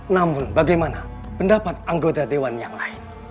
namun bagaimana pendapat anggota dewan yang lain